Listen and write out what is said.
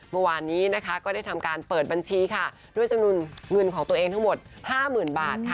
เมื่อวานนี้นะคะก็ได้ทำการเปิดบัญชีค่ะด้วยจำนวนเงินของตัวเองทั้งหมดห้าหมื่นบาทค่ะ